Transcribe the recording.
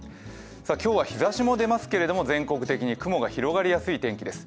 今日は日ざしも出ますけれども、全国的に雲が広がりやすい天気です。